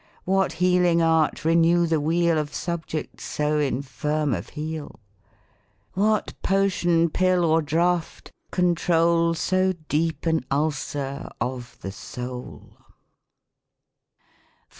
What healing art renew the weal Of subject so infirm of heel ? What potion, pill, or draught conti'ol So deep an ulcer of the sole ? 5.